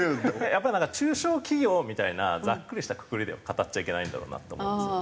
やっぱりなんか中小企業みたいなざっくりしたくくりでは語っちゃいけないんだろうなって思いますよね。